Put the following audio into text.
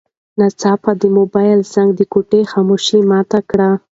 ناڅاپه د موبایل زنګ د کوټې خاموشي ماته کړه.